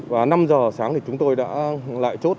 và năm h sáng chúng tôi đã lại chốt